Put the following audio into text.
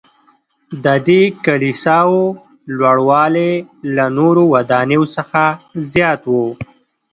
ددې کلیساوو لوړوالی له نورو ودانیو څخه زیات و.